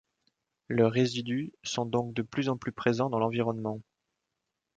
Leurs résidus sont donc de plus en plus présents dans l'environnement.